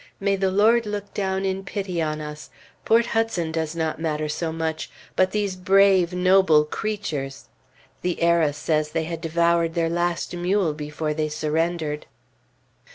May the Lord look down in pity on us! Port Hudson does not matter so much; but these brave, noble creatures! The "Era" says they had devoured their last mule before they surrendered.